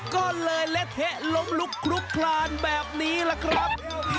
ก็เลยเละเทะล้มลุกคลุกคลานแบบนี้ล่ะครับ